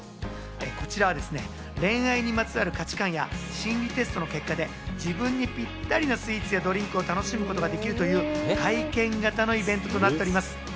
こちらはですね、恋愛にまつわる価値感や心理テストの結果で、自分にぴったりなスイーツやドリンクを楽しむことができるという体験型のイベントとなっております。